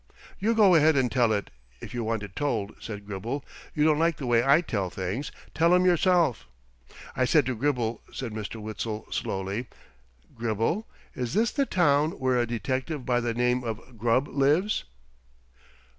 "You go ahead and tell it, if you want it told," said Gribble. "You don't like the way I tell things. Tell 'em yourself." "I said to Gribble," said Mr. Witzel slowly, "'Gribble, is this the town where a detective by the name of Grubb lives?'"